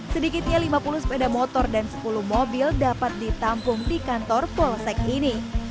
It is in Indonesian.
sedikitnya lima puluh sepeda motor dan sepuluh mobil dapat ditampung di kantor polsek ini